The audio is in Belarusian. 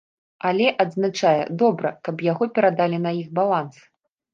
Але, адзначае, добра, каб яго перадалі на іх баланс.